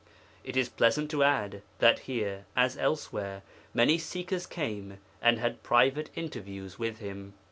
It is pleasant to add that here, as elsewhere, many seekers came and had private interviews with Him.